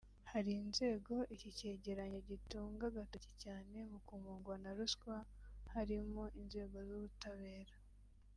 Hari inzego iki cyegeranyo gitunga agatoki cyane mu kumungwa na ruswa harimo inzego z’ubutabera